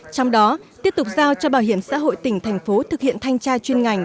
trong đó tiếp tục giao cho bảo hiểm xã hội tỉnh thành phố thực hiện thanh tra chuyên ngành